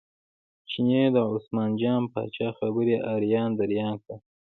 چیني د عثمان جان پاچا خبرې اریان دریان کړ.